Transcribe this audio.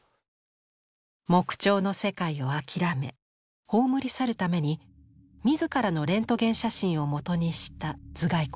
木彫の世界を諦め葬り去るために自らのレントゲン写真をもとにした頭蓋骨。